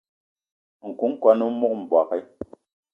Nku kwan o mog mbogui.